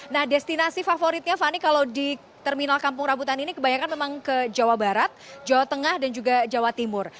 nah destinasi favoritnya fani kalau di terminal kampung rambutan ini kebanyakan memang ke jawa barat jawa tengah dan juga jawa timur